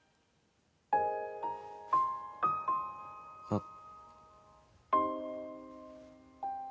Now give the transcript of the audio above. あっ。